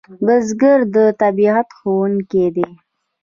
بزګر د طبیعت ښوونکی دی